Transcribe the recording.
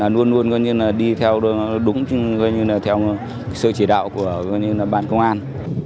luôn luôn đi theo đúng sơ chỉ đạo của bạn công an